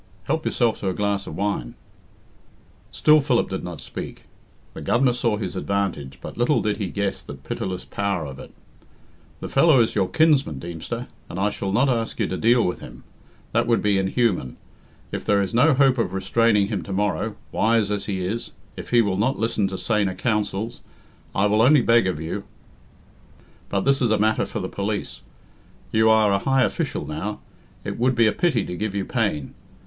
Help yourself to a glass of wine." Still Philip did not speak. The Governor saw his advantage, but little did he guess the pitiless power of it. "The fellow is your kinsman, Deemster, and I shall not ask you to deal with him. That would be inhuman. If there is no hope of restraining him to morrow wise as he is, if he will not listen to saner counsels, I will only beg of you but this is a matter for the police. You are a high official now. It would be a pity to give you pain.